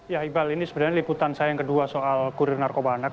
ya iqbal ini sebenarnya liputan saya yang kedua soal kurir narkoba anak